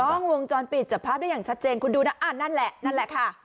กล้องวงจรปิดจับภาพได้อย่างชัดเจนคุณดูนะอ่านั่นแหละนั่นแหละค่ะ